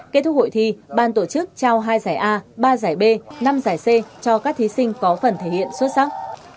kết thúc hội thi ban tổ chức trao hai giải a ba giải b năm giải c cho các thí sinh có phần thể hiện xuất sắc